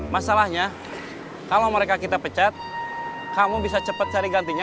masalahnya kalau mereka kita pecat kamu bisa cepat cari gantinya